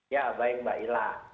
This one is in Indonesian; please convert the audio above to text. ya baik mbak ila